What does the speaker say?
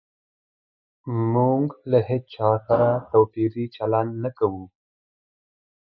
موږ له هيچا سره توپيري چلند نه کوو